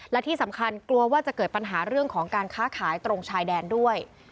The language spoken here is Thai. และที่สำคัญกลัวว่าจะเกิดปัญหาเรื่องของการค้าขายตรงชายแดนด้วย